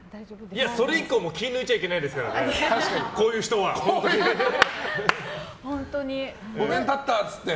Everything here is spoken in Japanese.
それ以降も気、抜いちゃいけないですからね。５年経ったって言って。